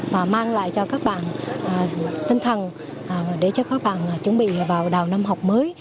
và mang lại cho các bạn tinh thần để cho các bạn chuẩn bị vào đào năm học mới